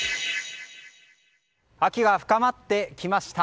秋が深まってきました。